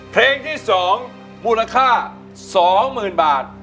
เพลงที่๒มูลค่า๒๐๐๐๐บาท